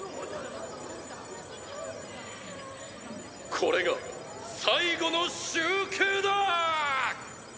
これが最後の集計だ！